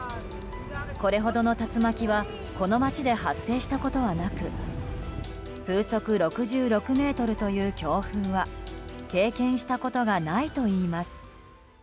これほどの竜巻はこの街で発生したことはなく風速６６メートルという強風は経験したことがないといいます。